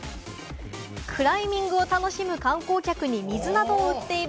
クライミングを楽しむ観光客に水などを売っている